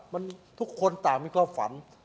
มันทุกคนต่างมีความฝัน